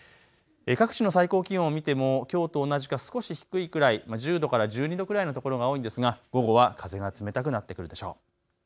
各地の最高気温を見てもきょうと同じか少し低いくらい、１０度から１２度くらいの所が多いんですが午後は風が冷たくなってくるでしょう。